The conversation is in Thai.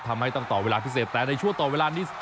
ทำให้ต้องต่อเวลาพิเศษแต่ในช่วงต่อเวลานี้